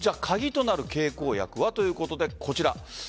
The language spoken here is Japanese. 鍵となる経口薬はということで、こちら。